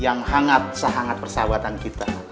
yang hangat sehangat persahabatan kita